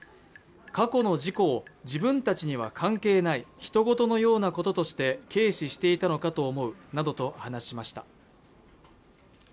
過去の事故を自分たちには関係ない人ごとのようなこととして軽視していたのかと思うなどと話しました